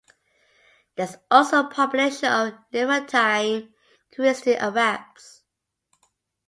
There is also a population of Levantine Christian Arabs.